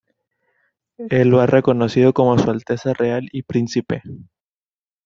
El lo ha reconocido como Su Alteza Real y Príncipe.